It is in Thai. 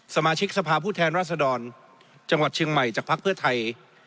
สมาชิกสภาพผู้แทนรัศดรจังหวัดเชียงใหม่จากภักดิ์เพื่อไทย